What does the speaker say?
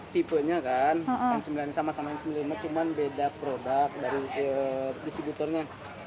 tipe nya kan n sembilan puluh lima sama sama n sembilan puluh lima cuman beda produk dari distributornya